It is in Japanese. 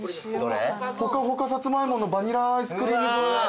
ほかほかさつま芋のバニラアイスクリーム添え。